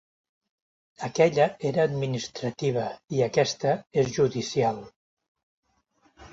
Aquella era administrativa i aquesta és judicial.